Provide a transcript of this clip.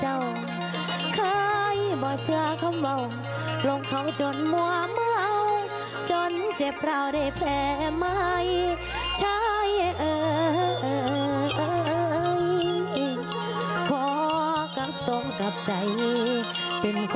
เอากองเชียร์เสียงดังอีกค่ะ